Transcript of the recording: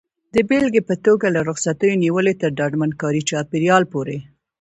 د بېلګې په توګه له رخصتیو نیولې تر ډاډمن کاري چاپېریال پورې.